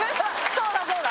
そうだそうだ！